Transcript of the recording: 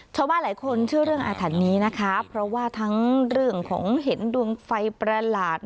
ชาวบ้านหลายคนเชื่อเรื่องอาถรรพ์นี้นะคะเพราะว่าทั้งเรื่องของเห็นดวงไฟประหลาด